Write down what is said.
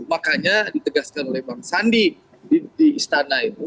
makanya ditegaskan oleh bang sandi di istana itu